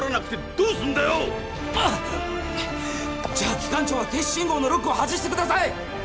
じゃあ機関長は停止信号のロックを外してください！